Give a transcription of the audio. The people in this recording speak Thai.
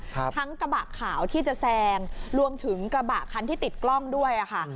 ทั้งกระบะขาวที่จะแซงรวมถึงกระบะคันที่ติดกล้องด้วยอ่ะค่ะ